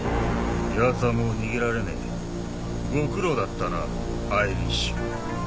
ヤツはもう逃げられねえご苦労だったなアイリッシュ。